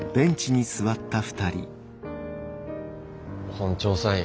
本調査委員